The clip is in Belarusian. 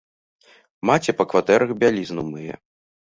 Маці па кватэрах бялізну мые.